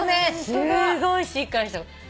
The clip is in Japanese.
すごいしっかりした子。